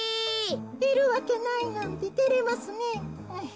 いるわけないなんててれますねえ。